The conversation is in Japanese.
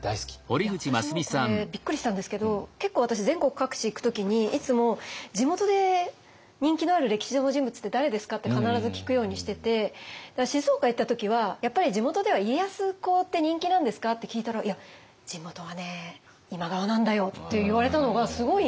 いや私もこれビックリしたんですけど結構私全国各地行く時にいつも「地元で人気のある歴史上の人物って誰ですか？」って必ず聞くようにしてて静岡行った時は「やっぱり地元では家康公って人気なんですか？」って聞いたら「いや地元はね今川なんだよ」って言われたのがすごい印象的で。